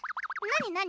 何？